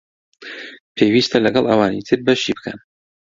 پێوستە لەگەڵ ئەوانی تر بەشی بکەن